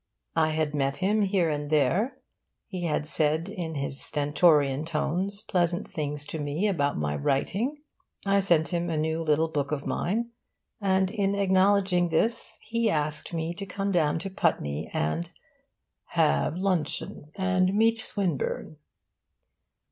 I had met him here and there, he had said in his stentorian tones pleasant things to me about my writing, I sent him a new little book of mine, and in acknowledging this he asked me to come down to Putney and 'have luncheon and meet Swinburne.